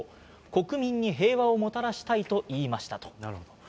国民に平和をもたらしたいと言いましたと。